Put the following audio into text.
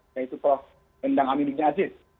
yaitu prof endang amidin aziz